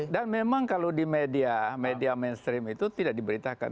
dan memang kalau di media media mainstream itu tidak diberitakan